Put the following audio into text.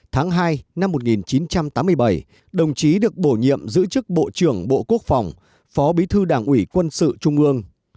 tháng hai năm một nghìn chín trăm tám mươi bảy đồng chí được bổ nhiệm giữ chức bộ trưởng bộ quốc phòng phó bí thư đảng ủy quân sự trung ương